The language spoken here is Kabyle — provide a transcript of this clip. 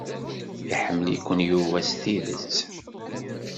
Iḥemmel-iken Yuba s tidet.